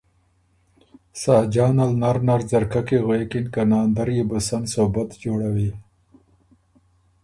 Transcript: ساجان ال نر نر ځرکۀ کی غوېکِن که ناندر يې بو سن صوبت جوړَوی